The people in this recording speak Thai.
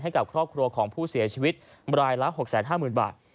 ให้กับครอบครัวของผู้เสียชีวิตรายละ๖๕๐๐๐บาท